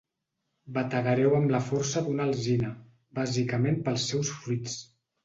Bategareu amb la força d'una alzina, bàsicament pels seus fruits.